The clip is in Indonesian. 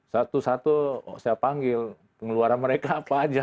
satu satu saya panggil pengeluaran mereka apa aja